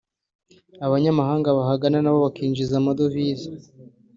abanyamahanga bahagana nabo bakinjiza amadovize